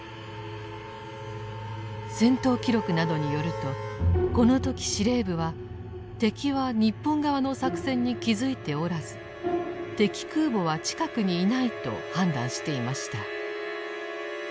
戦闘記録などによるとこの時司令部は敵は日本側の作戦に気付いておらず「敵空母は近くにいない」と判断していました。